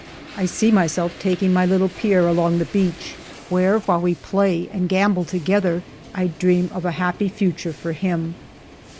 I see myself taking my little Pierre along the beach, where, while we play and gambol together, I dream of a happy future for him.